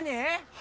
は